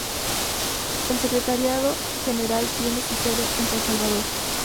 El secretariado general tiene su sede en San Salvador.